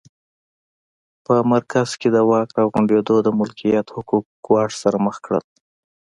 په مرکز کې د واک راغونډېدو د ملکیت حقوق ګواښ سره مخ کړل